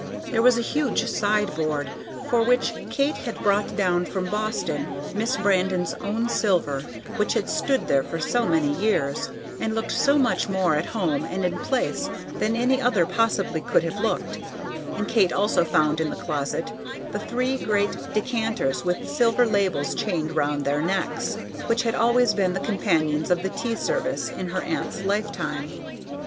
There was a huge sideboard, for which Kate had brought down from Boston Miss Brandon's own silver which had stood there for so many years, and looked so much more at home and in place than any other possibly could have looked, and Kate also found in the closet the three great decanters with silver labels chained round their necks, which had always been the companions of the tea service in her aunt's lifetime.